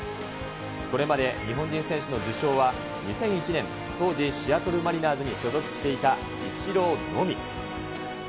これまで日本人選手の受賞は、２００１年、当時、シアトルマリナーズに所属していたイチローのみ。